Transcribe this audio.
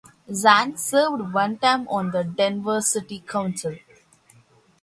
Zang served one term on the Denver City Council.